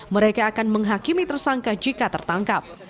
mereka akan menghakimi tersangka jika tertangkap